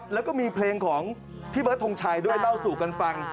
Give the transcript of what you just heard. แล้วก็มีเพลงของพี่เบิร์ดทงชัยด้วยเล่าสู่กันฟัง